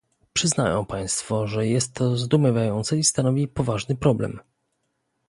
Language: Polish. Przyznają państwo, że jest to zdumiewające i stanowi poważny problem